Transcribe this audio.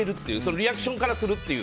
リアクションからするという。